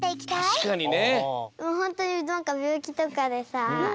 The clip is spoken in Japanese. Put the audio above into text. たしかにね。